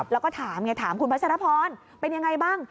แล้วก็ถามไงถามคุณพัชรพรเป็นยังไงบ้าง